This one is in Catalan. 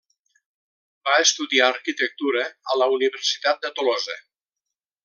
Va estudiar arquitectura a la Universitat de Tolosa.